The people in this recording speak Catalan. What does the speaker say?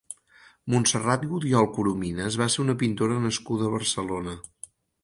Montserrat Gudiol Corominas va ser una pintora nascuda a Barcelona.